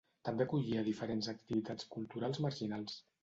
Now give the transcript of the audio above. També acollia diferents activitats culturals marginals.